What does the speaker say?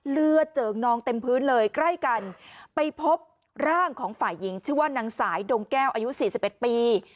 เลือดเจอกนองเต็มพื้นเลยใกล้กันไปพบร่างของฝ่ายหญิงชื่อว่านางสายดงแก้วอายุ๔๑ปี